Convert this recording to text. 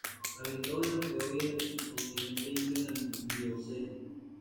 Habitó en lo que hoy es el subcontinente Indio en el Mioceno.